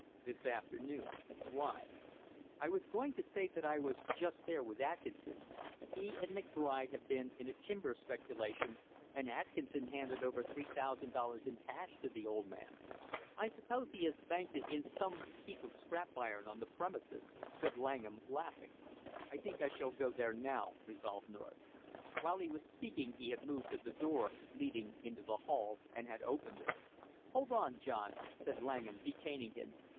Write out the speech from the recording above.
"This afternoon. Why?" "I was going to say that I was just there with Atkinson. He and McBride have been in a timber speculation, and Atkinson handed over three thousand dollars in cash to the old man. I suppose he has banked it in some heap of scrap iron on the premises!" said Langham laughing. "I think I shall go there now," resolved North. While he was speaking he had moved to the door leading into the hail, and had opened it. "Hold on, John!" said Langham, detaining him.